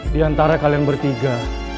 di antara kalian bertiga